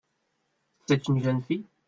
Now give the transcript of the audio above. C’est une jeune fille ?